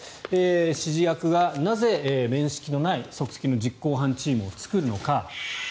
指示役はなぜ面識のない即席の実行犯チームを作るのか。